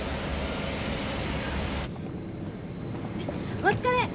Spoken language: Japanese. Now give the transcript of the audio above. お疲れ！